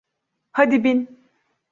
Haydi bin.